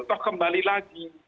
atau kembali lagi